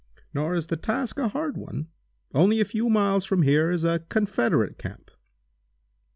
Nor is the task a hard one. Only a few miles from here is a Confederate camp.